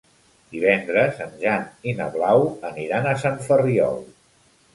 Divendres en Jan i na Blau aniran a Sant Ferriol.